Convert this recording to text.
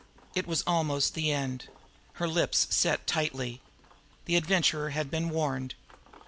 It was almost the end. Her lips set tightly. The Adventurer had been warned.